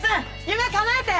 夢かなえて！